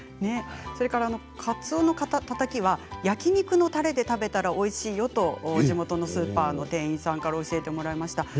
それから、かつおのたたきは焼き肉のたれで食べてもおいしいよ、と地元のスーパーの店員さんから教えてもらいました。